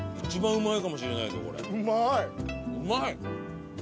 うまい！